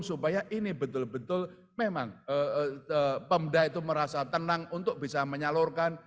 supaya ini betul betul memang pemda itu merasa tenang untuk bisa menyalurkan